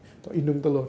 atau indung telur